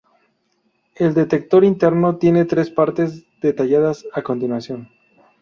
El Detector Interno tiene tres partes, detalladas a continuación.